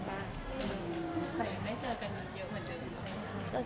แต่ยังได้เจอกันเยอะกว่าเดิมใช่ไหม